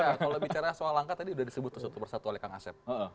ya kalau bicara soal langkah tadi sudah disebut satu persatu oleh kang asep